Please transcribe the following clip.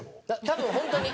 多分本当に。